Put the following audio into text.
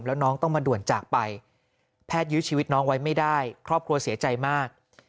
แล้วน้องต้องมาด่วนจากไปแพทยื้อชีวิตน้องไว้ไม่ได้ครอบครัวเสียใจมาก